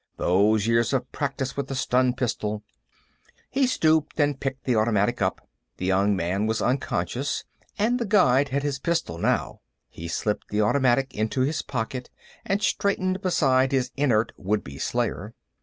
Those years of practice with the stun pistol.... He stooped and picked the automatic up. The young man was unconscious, and The Guide had his pistol, now. He slipped the automatic into his pocket and straightened beside his inert would be slayer.